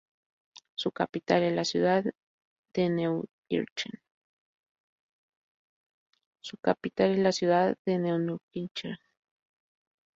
Su capital es la ciudad de Neunkirchen.